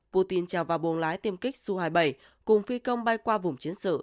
putin chào và buồng lái tiêm kích su hai mươi bảy cùng phi công bay qua vùng chiến sự